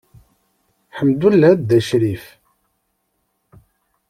Ḥemdullah a Dda Crif.